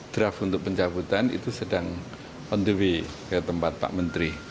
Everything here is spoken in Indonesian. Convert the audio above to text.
draft untuk pencabutan itu sedang on the way ke tempat pak menteri